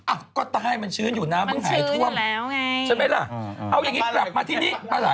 อ้าวก็ได้มันชื้นอยู่น้ำมันหายท่วมใช่ไหมล่ะเอาอย่างนี้กลับมาที่นี้